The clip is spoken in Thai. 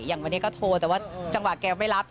อย่างวันนี้ก็โทรแต่ว่าจังหวะแกไม่รับ